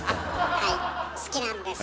はい好きなんです。